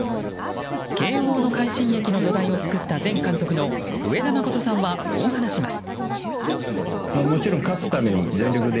慶應の快進撃の土台を作った前監督の上田誠さんはこう話します。